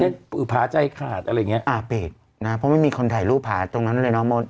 เช็ดผือยผาใจขาดอะไรเงี้ยอ่ะเปลียดนะเพราะไม่มีคนถ่ายรูปผาทิศตรงนั้นเลยน้อม๑๐๑